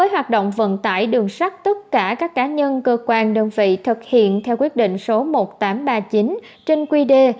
hoạt động vận tải đường sắt tất cả các cá nhân cơ quan đơn vị thực hiện theo quyết định số một nghìn tám trăm ba mươi chín trên quy đê